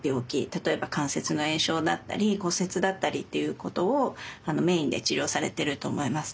例えば関節の炎症だったり骨折だったりっていうことをメインで治療されてると思います。